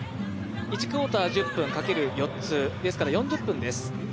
１クオーター１０分かける４つですから、４０分です。